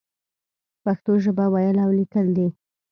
پښتو ژبه ويل او ليکل دې.